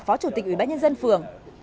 phó chủ tịch ủy bác nhân dân phường